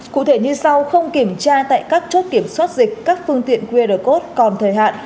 cụ thể như sau không kiểm tra tại các chốt kiểm soát dịch các phương tiện qr code còn thời hạn